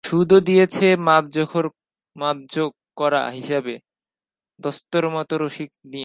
সুদও দিয়েছে মাপজোখ-করা হিসেবে, দস্তুরমত রসিদ নিয়ে।